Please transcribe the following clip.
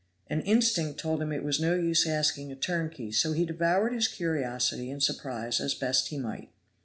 An instinct told him it was no use asking a turnkey, so he devoured his curiosity and surprise as best he might.